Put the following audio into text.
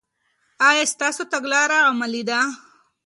آیا ستاسو تګلاره عملي ده؟